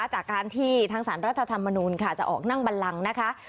จากการที่ทางสารรัฐธรรมนูลค่ะจะออกนั่งบันลังนะคะ